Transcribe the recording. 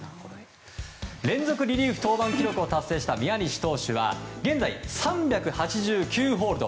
連続リリーフ登板記録を達成した宮西投手は現在、３８９ホールド。